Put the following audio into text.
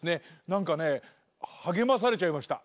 なんかねはげまされちゃいました。